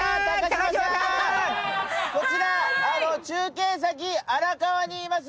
はいこちら中継先荒川にいます